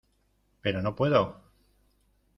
pero no puedo.